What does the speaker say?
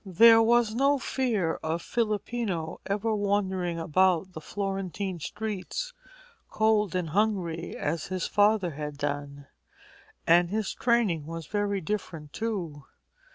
There was no fear of Filippino ever wandering about the Florentine streets cold and hungry as his father had done. And his training was very different too.